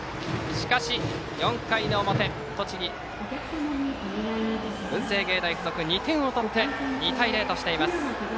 しかし、４回の表栃木・文星芸大付属２点を取って２対０としています。